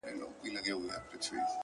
• څوک چي زرګر نه وي د زرو قدر څه پیژني,,!